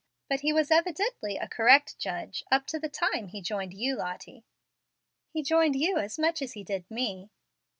But he was evidently a correct judge up to the time he joined you, Lottie." "He joined you as much as he did me."